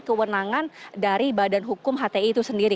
kewenangan dari badan hukum hti itu sendiri